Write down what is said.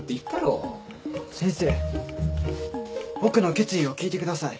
僕の決意を聞いてください。